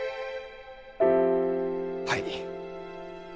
はい。